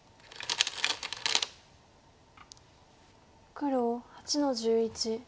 黒８の十一。